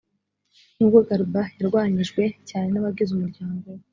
nubwo garber yarwanyijwe cyane n abagize umuryango we